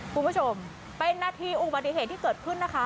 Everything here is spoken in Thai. คุณผู้ชมเป็นนาทีอุบัติเหตุที่เกิดขึ้นนะคะ